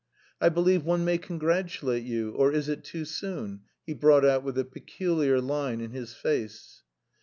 "I believe one may congratulate you... or is it too soon?" he brought out with a peculiar line in his face.